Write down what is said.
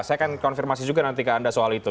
saya akan konfirmasi juga nanti ke anda soal itu